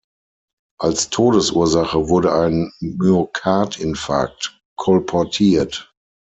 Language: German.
Als Todesursache wurde ein Myokardinfarkt kolportiert.